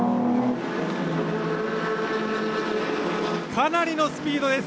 かなりのスピードです。